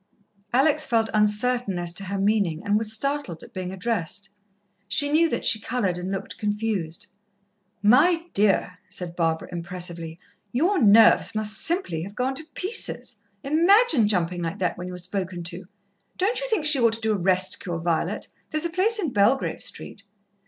Alex felt uncertain as to her meaning, and was startled at being addressed. She knew that she coloured and looked confused. "My dear," said Barbara impressively, "your nerves must simply have gone to pieces. Imagine jumping like that when you're spoken to! Don't you think she ought to do a rest cure, Violet? There's a place in Belgrave Street."